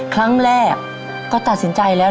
ครั้งแรกก็ตัดสินใจแล้ว